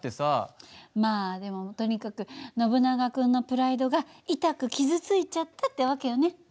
まあでもとにかくノブナガ君のプライドがいたく傷ついちゃったって訳よね。